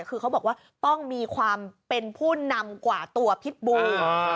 คือเขาบอกว่าต้องมีความเป็นผู้นำกว่าตัวพิษบู